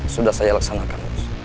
sudah saya laksanakan